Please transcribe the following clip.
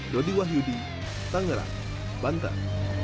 dodi wahyudi tangerang banteng